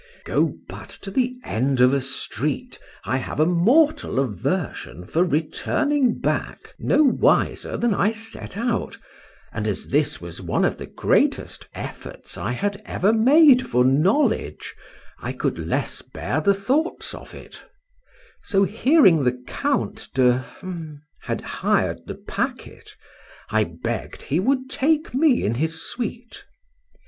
Go but to the end of a street, I have a mortal aversion for returning back no wiser than I set out; and as this was one of the greatest efforts I had ever made for knowledge, I could less bear the thoughts of it: so hearing the Count de —— had hired the packet, I begg'd he would take me in his suite.